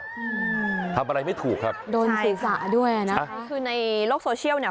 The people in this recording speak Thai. อืมทำอะไรไม่ถูกครับโดนผิดสระด้วยนะใช่คือในโลกโซเชียลเนี่ย